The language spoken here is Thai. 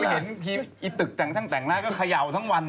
ผมเห็นอีฤย์ตึกแต่งหน้าก็เขย่าทั้งวัน